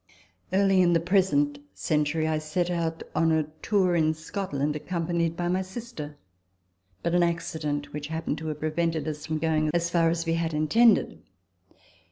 Early in the present century, I set out on a tour in Scotland, accompanied by my sister ; but an accident which happened to her prevented us from going as far as we had intended.